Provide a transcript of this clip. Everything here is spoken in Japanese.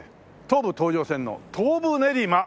東武東上線の東武練馬。